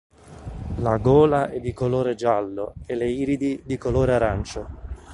La gola è di colore giallo e le iridi di colore arancio.